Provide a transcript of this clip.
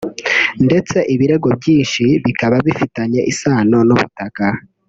ndetse ibirego byinshi bikaba bifitanye isano n’ubutaka